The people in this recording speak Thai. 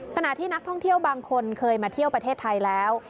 ขณะที่นักท่องเที่ยวบางคนเคยมาเที่ยวประเทศไทยแล้ว